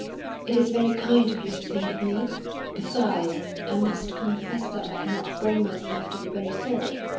"It is very kind of you to think of me." "Besides, I must confess that I cannot bring myself to be very sorry.